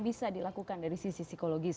bisa dilakukan dari sisi psikologis